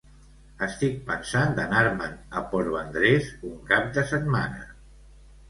Estic pensant d'anar-me'n a Port Vendres un cap de setmana